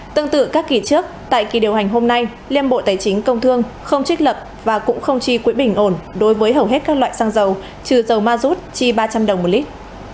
tương tự các kỳ trước tại kỳ điều hành hôm nay liên bộ tài chính công thương không trích lập và cũng không chi quỹ bình ổn đối với hầu hết các loại xăng dầu trừ dầu ma rút chi ba trăm linh đồng một lít